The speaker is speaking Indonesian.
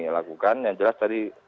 lakukan yang jelas tadi